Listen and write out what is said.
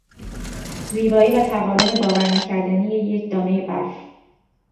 زیبایی و تقارن باورنکردنی یک دانهی برف